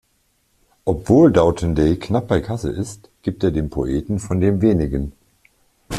Obwohl Dauthendey knapp bei Kasse ist, gibt er dem Poeten von dem Wenigen.